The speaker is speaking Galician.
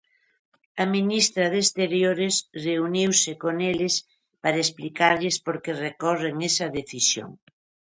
A ministra de Exteriores reuniuse con eles para explicarlles por que recorren esa decisión.